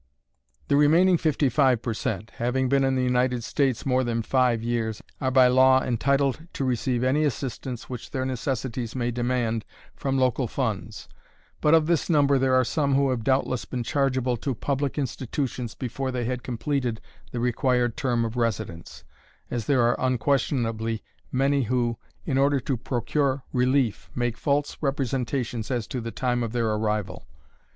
The remaining fifty five per cent., having been in the United States more than five years, are by law entitled to receive any assistance which their necessities may demand from local funds, but of this number there are some who have doubtless been chargeable to public institutions before they had completed the required term of residence, as there are unquestionably many who, in order to procure relief, make false representations as to the time of their arrival.